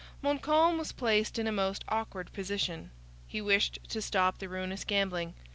Montcalm was placed in a most awkward position. He wished to stop the ruinous gambling.